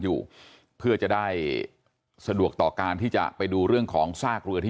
อยู่เพื่อจะได้สะดวกต่อการที่จะไปดูเรื่องของซากเรือที่